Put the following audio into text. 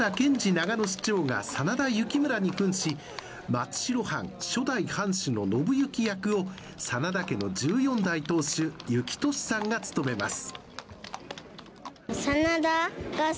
長野市長が真田幸村にふんし、松代藩・初代藩主の信之役を真田家の１４代当主・幸俊さんが務めます。